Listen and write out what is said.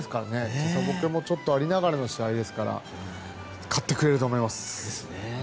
時差ぼけもちょっとありながらの試合ですから勝ってくれると思います。